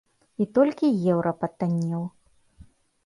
І толькі еўра патаннеў.